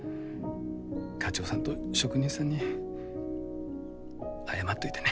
課長さんと職人さんに謝っといてね。